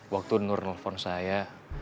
waktu nur nelfon saya